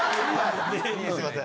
すいません。